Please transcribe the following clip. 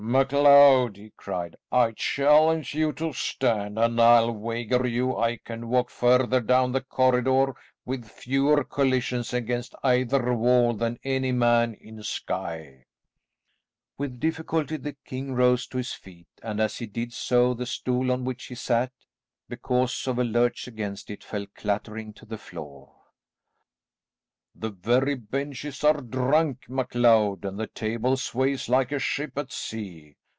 "MacLeod," he cried, "I challenge you to stand, and I'll wager you I can walk further down the corridor with fewer collisions against either wall than any man in Skye." With difficulty the king rose to his feet, and as he did so the stool on which he sat, because of a lurch against it, fell clattering to the floor. "The very benches are drunk, MacLeod, and the table sways like a ship at sea.